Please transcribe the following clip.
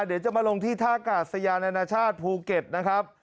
เดี๋ยวจะมาลงที่ท่ากาศยานานาชาติภูเก็ตนะครับ